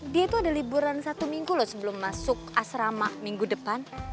dia tuh ada liburan satu minggu loh sebelum masuk asrama minggu depan